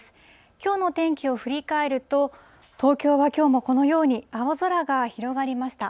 きょうの天気を振り返ると、東京はきょうもこのように青空が広がりました。